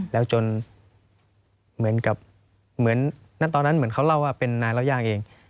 แล้วจนเหมือนกับเหมือนตอนนั้นเหมือนเขาเล่าว่าเป็นนายเล่าย่างเอง